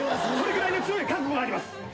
それぐらいの強い覚悟があります。